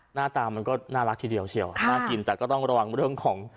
หน้าตามันก็น่ารักทีเดียวเชียวน่ากินแต่ก็ต้องระวังเรื่องของ